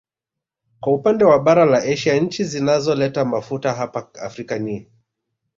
Kwa upande wa bara la Asia nchi zinazoleta mafuta hapa Afrika ni